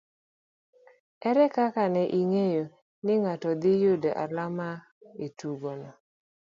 Ere kaka ne ing'eyo ni ng'ato dhi yudo alama e tugono